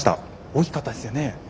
大きかったですよね。